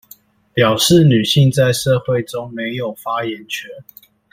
表示女性在社會中沒有發言權